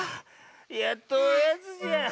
やっとおやつじゃ。